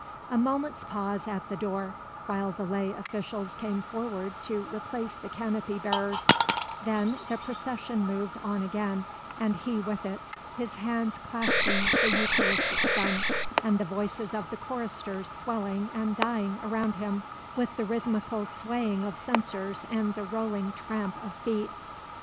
A moment's pause at the door, while the lay officials came forward to replace the canopy bearers; then the procession moved on again, and he with it, his hands clasping the Eucharistic sun, and the voices of the choristers swelling and dying around him, with the rhythmical swaying of censers and the rolling tramp of feet.